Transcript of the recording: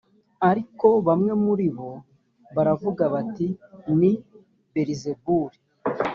ariko bamwe muri bo baravuga bati ni belizebuli